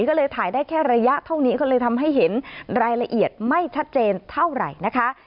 ก็เลยถ่ายได้แค่ระยะเท่านี้ก็เลยทำให้เห็นรายละเอียดไม่ชัดเจนเท่าไหร่นะคะ